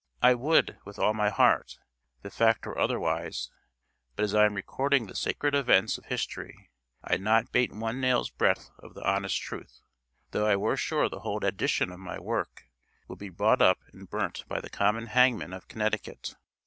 I would, with all my heart, the fact were otherwise; but as I am recording the sacred events of history, I'd not bate one nail's breadth of the honest truth, though I were sure the whole edition of my work would be bought up and burnt by the common hangman of Connecticut.